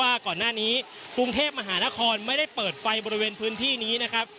ว่าก่อนหน้านี้กรุงเทพมหานครไม่ได้เปิดไฟบริเวณพื้นที่นี้นะครับ